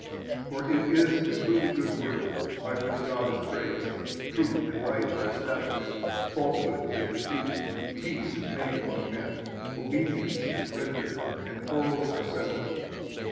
For it is a truly good work, by which God is praised, truth and right are established, falsehood is refuted, peace is made among men, obedience is rendered, and quarrels are settled.